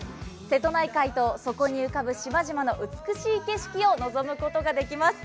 瀬戸内海とそこに浮かぶ島々の美しい景色を望むことができます。